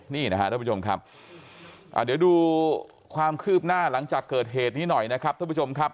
นี่นะครับท่านผู้ชมครับเดี๋ยวดูความคืบหน้าหลังจากเกิดเหตุนี้หน่อยนะครับท่านผู้ชมครับ